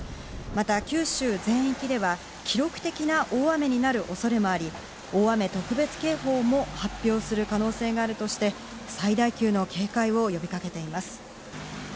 また九州全域では記録的な大雨になる恐れもあり、大雨特別警報も発表する可能性があるとして、最大級の警戒を呼びかけています。